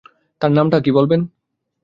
তার নামটা কি বলবেন?